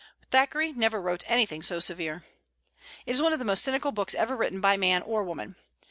Thackeray never wrote anything so severe. It is one of the most cynical books ever written by man or woman.